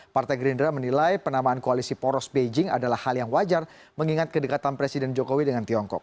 partai gerindra menilai penamaan koalisi poros beijing adalah hal yang wajar mengingat kedekatan presiden jokowi dengan tiongkok